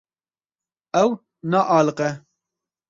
Ew naaliqe.